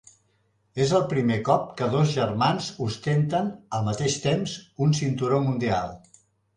És el primer cop que dos germans ostenten, al mateix temps, un cinturó mundial.